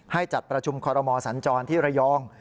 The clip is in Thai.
จัดประชุมคอรมอสัญจรที่ระยอง